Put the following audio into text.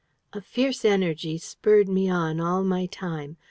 A fiery energy spurred me on all my time.